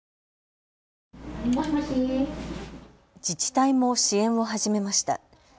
自治体も支援を始めました。